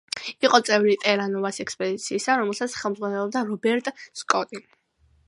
იყო წევრი ტერა-ნოვას ექსპედიციისა, რომელსაც ხელმძღვანელობდა რობერტ სკოტი.